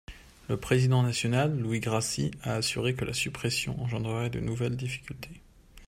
Le président national, Louis Grassi, a assuré que la suppression engendrerait de nouvelles difficultés.